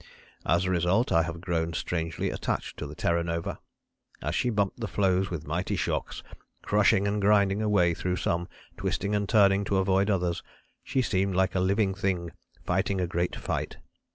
As a result I have grown strangely attached to the Terra Nova. As she bumped the floes with mighty shocks, crushing and grinding a way through some, twisting and turning to avoid others, she seemed like a living thing fighting a great fight.